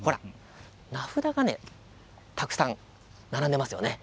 名札がたくさん並んでいますよね。